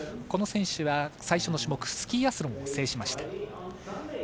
この選手は、最初の種目スキーアスロンを制しました。